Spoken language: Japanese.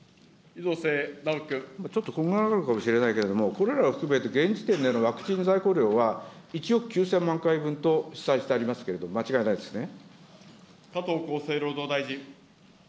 ちょっとこんがらがるかもしれないけど、これらを含めて現時点でのワクチン在庫量は１億９０００万回分と記載されてますけど、間違いないですね。